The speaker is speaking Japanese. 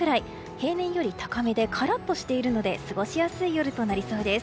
平年より高めでカラッとしているので過ごしやすい夜となりそうです。